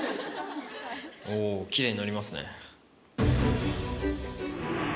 おぉきれいに載りますね。